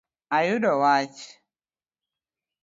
Ayudo wach